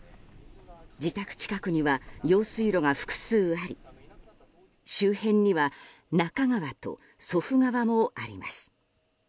自宅近くには用水路が複数あり周辺には中川と祖父川もあります。